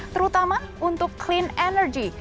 terutama untuk clean energy